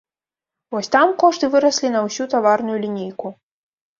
Вось там кошты выраслі на ўсю таварную лінейку.